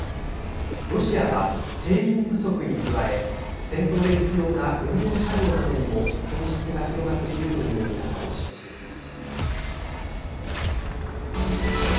ロシアは、兵員不足に加え戦闘で必要な軍用車両などにも損失が広がっているという見方を示しています。